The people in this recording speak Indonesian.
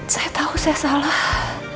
saya tahu saya salah